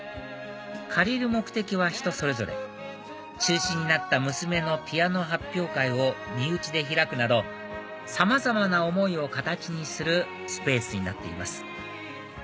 借りる目的は人それぞれ中止になった娘のピアノ発表会を身内で開くなどさまざまな思いを形にするスペースになっています